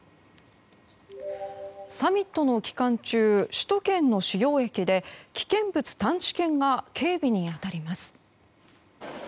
サミットの期間中首都圏の主要駅で危険物探知犬が警備に当たります。